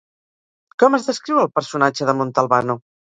Com es descriu el personatge de Montalbano?